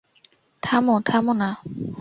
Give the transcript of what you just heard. থামো, থামো, না।